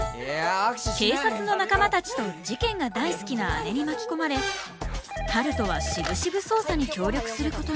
警察の仲間たちと事件が大好きな姉に巻き込まれ春風はしぶしぶ捜査に協力することに。